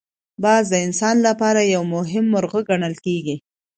باز د انسان لپاره یو مهم مرغه ګڼل کېږي